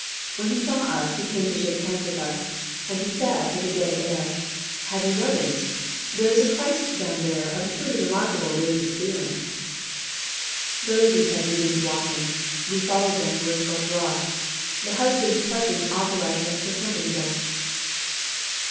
When he saw us, he came to shake hands with us; and he said, with his gay air: " Have you noticed ?— there is a Christ down there of a truly remarkable religious feeling." SALON AND THEATRE. 87 The ladies had resumed walking. We followed them with Gaucheraud. The husband's presence authorized us to accompany them.